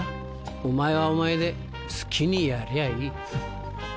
お前はお前で好きにやりゃあいい。